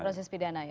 proses pidana ya